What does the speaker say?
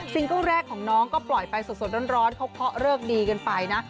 เกิ้ลแรกของน้องก็ปล่อยไปสดร้อนเขาเคาะเลิกดีกันไปนะ